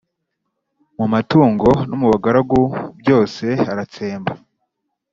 mu matungo no mu bagaragu; byose aratsemba.